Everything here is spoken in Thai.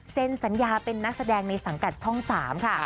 สัญญาเป็นนักแสดงในสังกัดช่อง๓ค่ะ